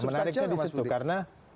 nah menariknya disitu karena